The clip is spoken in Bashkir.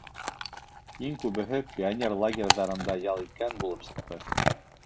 Иң күбеһе пионер лагерҙарында ял иткән булып сыҡты.